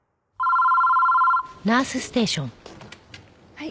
はい。